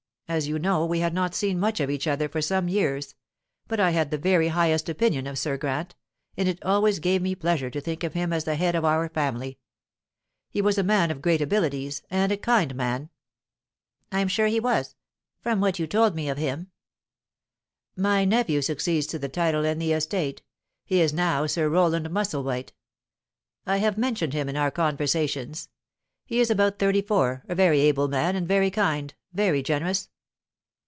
As you know, we had not seen much of each other for some years, but I had the very highest opinion of Sir Grant, and it always gave me pleasure to think of him as the head of our family. He was a man of great abilities, and a kind man." "I am sure he was from what you have told me of him." "My nephew succeeds to the title and the estate; he is now Sir Roland Musselwhite. I have mentioned him in our conversations. He is about thirty four, a very able man, and very kind, very generous."